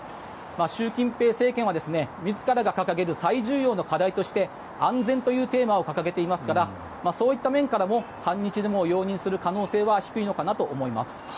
習近平政権は自らが掲げる最重要の課題として安全というテーマを掲げていますからそういった面からも反日デモを容認する可能性は低いのかなと思います。